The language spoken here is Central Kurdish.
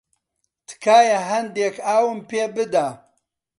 تکایە هەندێک ئاوم پێ بدە.